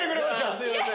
すいません。